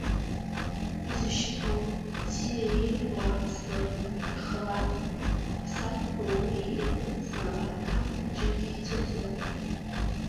Изышьҭоу, бзиа ирбо аԥслаҳә анҭахалак, ақәасабқәа уи иаԥырҵны акраамҭа џьаргьы ицаӡом…